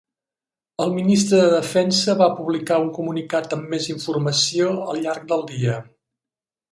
El Ministre de Defensa va publicar un comunicat amb més informació al llarg del dia.